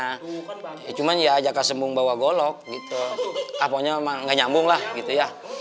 ya cuman ya jaka sembung bawa golok gitu aponya memang nggak nyambung lah gitu ya